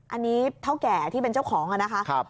อันนี้เท่าแก่ที่เป็นเจ้าของนะคะ